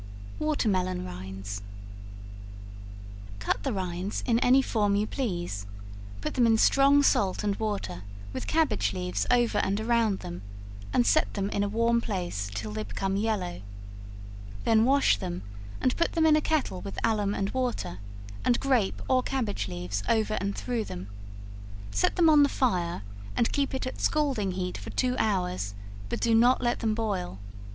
Watermelon Rinds. Cut the rinds in any form you please; put them in strong salt and water, with cabbage leaves over and around them, and set them in a warm place till they become yellow; then wash them, and put them in a kettle with alum and water, and grape or cabbage leaves over and through them; set them on the fire, and keep it at scalding heat for two hours but do not let them boil.